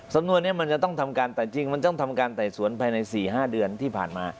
สำนวนนี้มันจะต้องทำการแต่จริงมันต้องทำการไต่สวนภายใน๔๕เดือนที่ผ่านมา